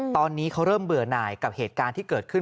ตอนนี้เขาเริ่มเบื่อหน่ายกับเหตุการณ์ที่เกิดขึ้น